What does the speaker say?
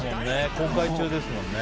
公開中ですもんね。